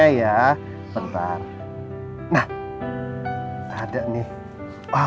si buruk rupa